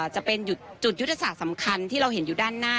จะเป็นจุดยุทธศาสตร์สำคัญที่เราเห็นอยู่ด้านหน้า